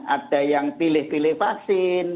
ada yang pilih pilih vaksin